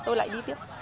tôi lại đi tiếp